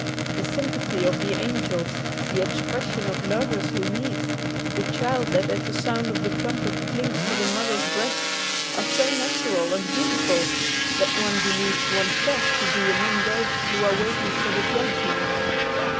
The sympathy of the angels, the expression of lovers who meet, the child that at the sound of the trumpet clings to the mother's breast, are so natural and beautiful that one believes one's self to be among those who are waiting for judgment.